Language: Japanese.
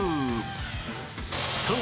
［そう！